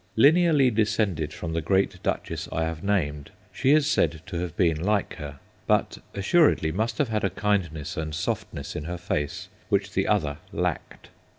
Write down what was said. Lineally descended from the great duchess I have named, she is said to have been like her, but assuredly must have had a kindness and softness in her face which the other lacked.